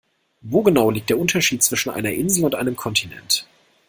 Wo genau liegt der Unterschied zwischen einer Insel und einem Kontinent?